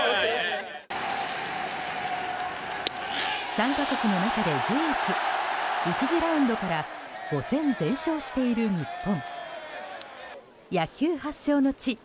参加国の中で唯一１次ラウンドから５戦全勝している日本。